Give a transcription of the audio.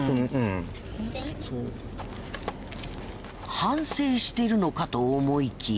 反省しているのかと思いきや。